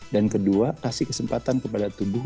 dan kedua kasih kesempatan kepada tubuh